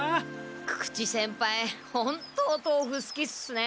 久々知先輩ホントおとうふすきっすね。